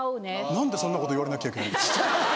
何でそんなこと言われなきゃいけないんですか？